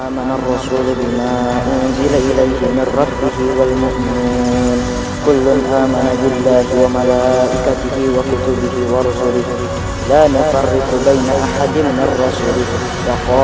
jangan jangan orang itu adalah kamandaka